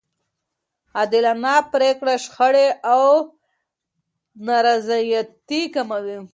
عادلانه پرېکړې شخړې او نارضایتي کموي.